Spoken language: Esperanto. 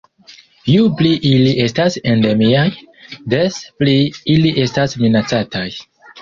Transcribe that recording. Ju pli ili estas endemiaj, des pli ili estas minacataj.